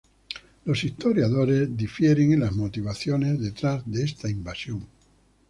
Los historiadores difieren en las motivaciones detrás de esta invasión.